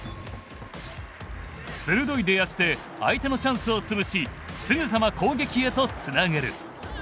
鋭い出足で相手のチャンスを潰しすぐさま攻撃へとつなげる。